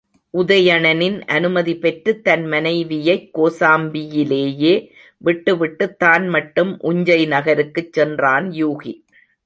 உதயணனின் அனுமதி பெற்றுத் தன் மனைவியைக் கோசாம்பியிலேயே விட்டுவிட்டுத் தான் மட்டும் உஞ்சை நகருக்குச் சென்றான் யூகி.